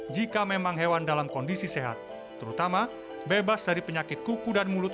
jika memang hewan dalam kondisi sehat terutama bebas dari penyakit kuku dan mulut